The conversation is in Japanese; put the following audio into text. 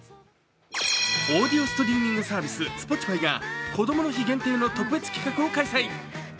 オーディオストリーミングサービス、Ｓｐｏｔｉｆｙがこどもの日限定の特別企画を開催。